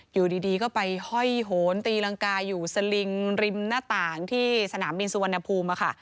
อยู่ดีก็ไปห้อยโหนตีรังกาอยู่สลิงริมหน้าต่างที่สนามบินสุวรรณภูมิค่ะ